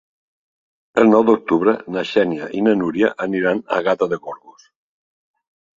El nou d'octubre na Xènia i na Núria aniran a Gata de Gorgos.